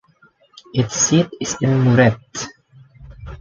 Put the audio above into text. Its seat is in Muret.